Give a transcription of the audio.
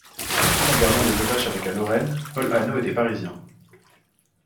Toute en gardant des attaches avec la Lorraine Paul Hannaux était parisien.